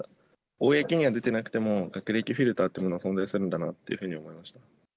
公には出ていなくても学歴フィルターというのが存在するんだなっていうふうには思いました。